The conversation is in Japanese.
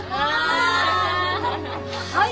はい！